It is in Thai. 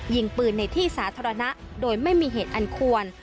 ยิงปืนในที่สาธารณะโดยไม่มีเหตุอันควร